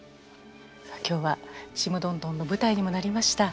今日は「ちむどんどん」の舞台にもなりました